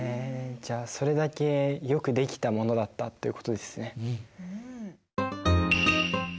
じゃあそれだけよく出来たものだったということですね。